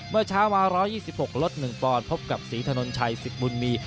เมื่อเช้ามา๑๒๖ลด๑ปอนด์พบกับศรีถนนชัยสิทธิ์บุญมี